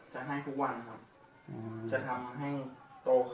ถือไม่ได้อ้วนถือไม่ได้ยืนไงเอาแขวงแขวงหน่อยหนักมาแล้วครับ